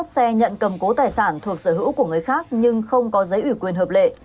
sáu mươi một xe nhận cầm cố tài sản thuộc sở hữu của người khác nhưng không có giấy ủy quyền hợp lệ